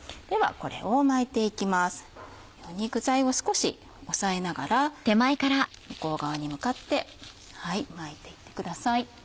このように具材を少し押さえながら向こう側に向かって巻いていってください。